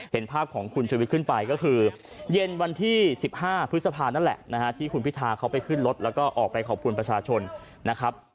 เห็นภาพของคุณชุวิตขึ้นไปก็คือเย็นวันที่๑๕พฤษภานั่นแหละนะฮะที่คุณพิธาเขาไปขึ้นรถแล้วก็ออกไปขอบคุณประชาชนนะครับ